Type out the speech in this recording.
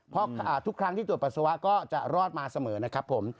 เพราะทุกครั้งที่ตรวจปัสสาวะก็จะรอดมาเสมอนะครับผม